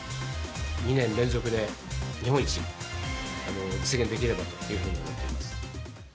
２年連続で日本一、実現できればというふうに思っています。